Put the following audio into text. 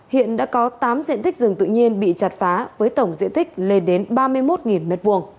hiện đã có tám diện tích rừng tự nhiên bị chặt phá với tổng diện tích lên đến ba mươi một m hai